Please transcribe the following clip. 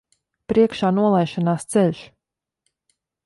Priekšā nolaišanās ceļš.